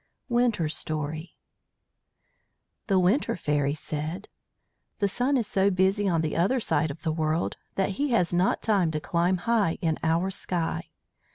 WINTER STORY The Winter Fairy said: "The sun is so busy on the other side of the world that he has not time to climb high in our sky.